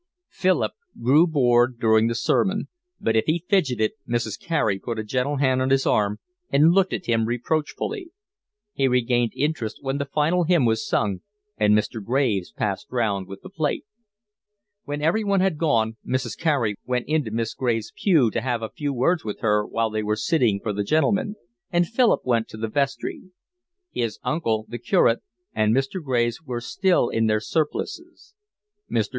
Philip grew bored during the sermon, but if he fidgetted Mrs. Carey put a gentle hand on his arm and looked at him reproachfully. He regained interest when the final hymn was sung and Mr. Graves passed round with the plate. When everyone had gone Mrs. Carey went into Miss Graves' pew to have a few words with her while they were waiting for the gentlemen, and Philip went to the vestry. His uncle, the curate, and Mr. Graves were still in their surplices. Mr.